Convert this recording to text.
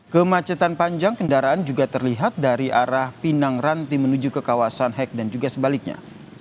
kemacetan panjang kendaraan juga terlihat dari arah pinang ranti menuju ke kawasan hek dan juga sebaliknya